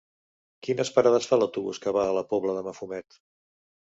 Quines parades fa l'autobús que va a la Pobla de Mafumet?